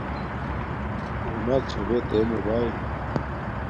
شوناک چھا بے تے موباݵل